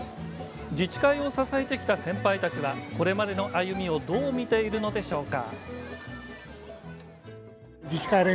自治会を支えてきた先輩たちはこれまでの歩みをどう見ているのでしょうか？